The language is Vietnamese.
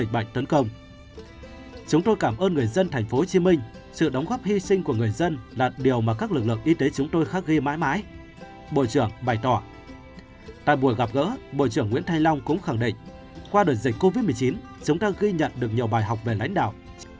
bộ trưởng nguyễn thanh long cũng khẳng định qua đợt dịch covid một mươi chín chúng ta ghi nhận được nhiều bài học về lãnh đạo